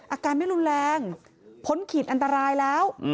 อาการไม่รุนแรงพ้นขีดอันตรายแล้ว